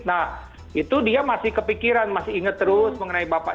nah itu dia masih kepikiran masih ingat terus mengenai bapak